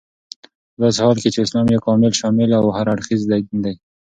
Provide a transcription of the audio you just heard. پداسي حال كې چې اسلام يو كامل، شامل او هر اړخيز دين دى